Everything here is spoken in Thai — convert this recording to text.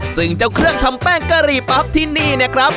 ซึ่งเจ้าเครื่องทำแป้งกะหรี่ปั๊บที่นี่เนี่ยครับ